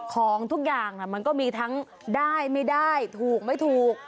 ของทุกอย่างมันก็มีทั้งได้ไม่ได้ถูกไม่ถูก